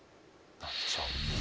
何でしょう？